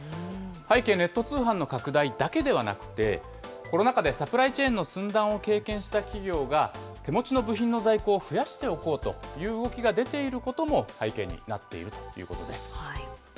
背景にネット通販の拡大だけではなくて、コロナ禍でサプライチェーンの寸断を経験した企業が、手持ちの部品の在庫を増やしておこうという動きが出ていることも背景になっているということです。